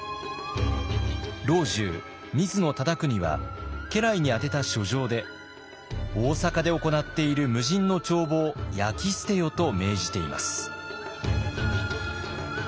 老中水野忠邦は家来に宛てた書状で「大坂で行っている無尽の帳簿を焼き捨てよ」と命じています。